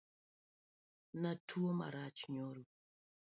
Natuo marach nyoro.